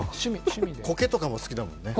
こけとかも好きだもんね。